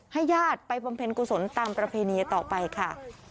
ญาติไปบำเพ็ญกุศลตามประเพณีต่อไปค่ะ